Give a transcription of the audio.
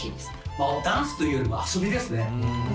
ダンスというよりも遊びですね。